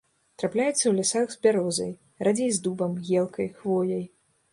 Трапляецца ў лясах з бярозай, радзей з дубам, елкай, хвояй.